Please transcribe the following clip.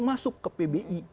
masuk ke pbi